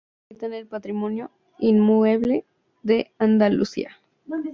Está inscrita en el Patrimonio Inmueble de Andalucía